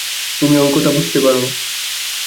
তুমি ওর কথা বুঝতে পার?